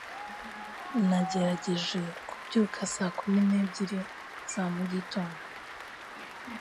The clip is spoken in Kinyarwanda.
Nagerageje kubyuka saa kumi n'ebyiri za mugitondo.